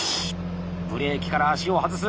ブレーキから足を外す。